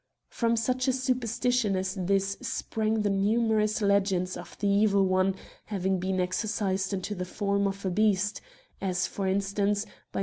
From such a superstition as this sprang the numerous legends of the Evil One having been exorcised into the form of a beast ; as, for instance, by S.